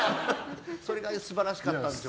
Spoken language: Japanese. それが素晴らしかったんですよ。